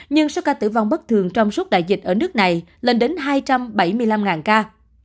nhưng số ca tử vong bất thường trong suốt đại dịch ở nước này lên đến hai trăm bảy mươi năm ca